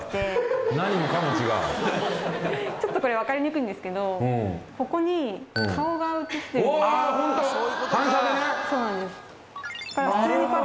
ちょっとこれ分かりにくいんですけどここに顔が映ってる。